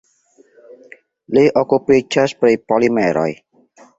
Li okupiĝas pri polimeroj.